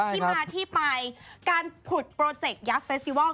ที่มาที่ไปการผุดโปรเจกต์ยักษ์เฟสติวัล